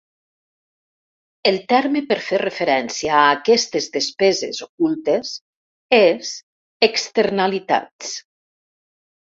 El terme per fer referència a aquestes despeses ocultes és "Externalitats".